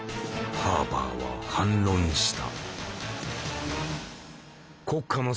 ハーバーは反論した。